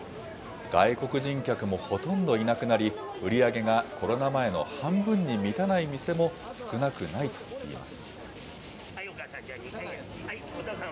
外国人客もほとんどいなくなり、売り上げがコロナ前の半分に満たない店も少なくないといいます。